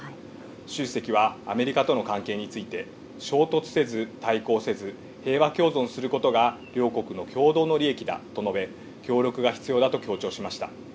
習主席は、アメリカとの関係について、衝突せず、対抗せず、平和共存することが両国の共同の利益だと述べ、協力が必要だと強調しました。